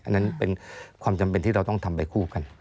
อันนั้นเป็นความจำเป็นที่เราต้องทำไปคู่กัน